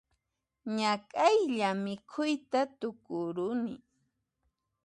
Ñak'ayllaña mikhuyta tukuyuruni